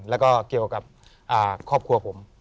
แล้วก็เกี่ยวกับครอบครัวผม